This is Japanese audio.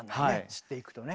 知っていくとね。